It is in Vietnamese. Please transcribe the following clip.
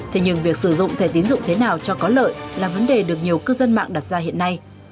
thế nhưng việc sử dụng thẻ tiến dụng thế nào cho có lợi là vấn đề được nhiều cư dân mạng đặt ra hiện nay